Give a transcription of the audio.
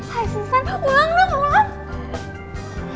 hai susan ulang dong